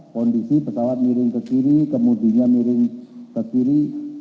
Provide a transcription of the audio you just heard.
kondisi pesawat miring ke kiri kemudinya miring ke kiri